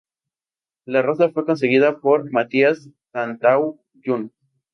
La rosa fue conseguida por Mathias Tantau jun.